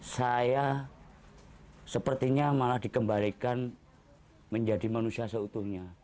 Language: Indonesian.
saya sepertinya malah dikembalikan menjadi manusia seutuhnya